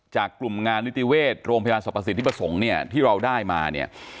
จากกลุ่มงานนิติเวชโรงพยาบาลสรรพสิทธิประสงค์เนี่ยที่เราได้มาเนี่ย